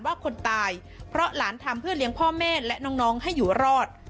ว่าคนตายเพราะหลานทำเพื่อเลี้ยงพ่อแม่และน้องให้อยู่รอด